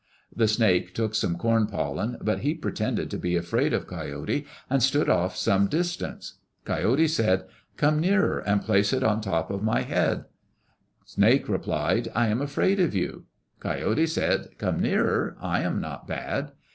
The snake took some corn pollen, but he pretended to be afraid of Coyote and stood off some distance. Coyote said, "Come nearer and place it on top my head." Snake replied, "I am afraid of you." Coyote said, "Come nearer. I am not bad."